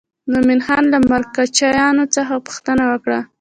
مومن خان له مرکچیانو څخه پوښتنه وکړه.